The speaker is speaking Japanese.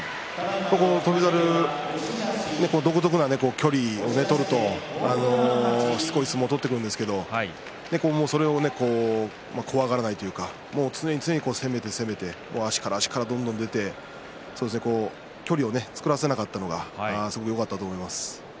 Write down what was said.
翔猿は独特の距離を取るとしつこい相撲を取ってくるんですがそれを怖がらないというか常に前に攻めて足から足からどんどん出して距離を作らせなかったのがすごくよかったと思います。